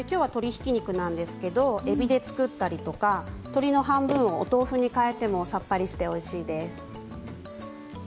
きょうは鶏ひき肉なんですけれども、えびで作ったり鶏の半分をお豆腐に替えてもさっぱりしておいしいです。